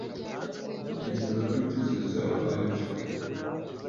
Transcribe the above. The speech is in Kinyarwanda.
Ntekereza ko igitekerezo cyawe atari cyo.